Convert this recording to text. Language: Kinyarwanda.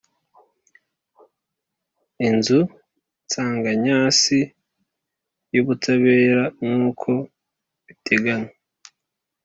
Inzu Nsanganyasi y Ubutabera nkuko biteganywa